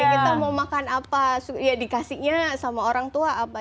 kita mau makan apa ya dikasihnya sama orang tua apa